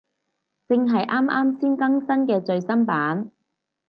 正係啱啱先更新嘅最新版